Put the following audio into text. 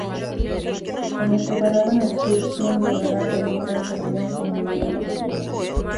Cuando preparaban la expedición llegará Pedro Ponce de León como nuevo gobernador.